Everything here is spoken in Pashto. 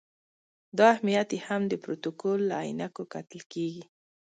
دا اهمیت یې هم د پروتوکول له عینکو کتل کېږي.